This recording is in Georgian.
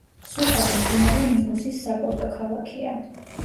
სუჰაგი მდინარე ნილოსის საპორტო ქალაქია.